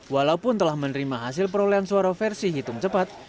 walaupun telah menerima hasil perolehan suara versi hitung cepat